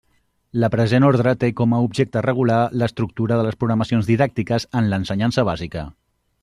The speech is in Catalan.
La present orde té com a objecte regular l'estructura de les programacions didàctiques en l'ensenyança bàsica.